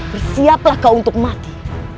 bersiaplah kau untuk mati